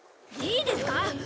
いいですか？